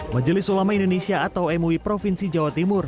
majelis ulama indonesia atau mui provinsi jawa timur